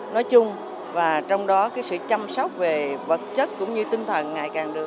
nói chung và trong đó sự chăm sóc về vật chất cũng như tinh thần ngày càng được